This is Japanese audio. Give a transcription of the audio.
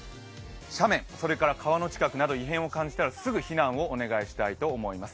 斜面、それから川の近くなど異変を感じたらすぐ避難をお願いしたいと思います。